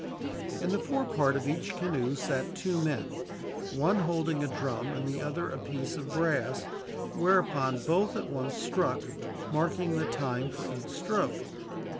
In the fore part of each canoe sat two men, one holding a drum and the other a piece of brass; whereon both at once struck, marking the time for each stroke.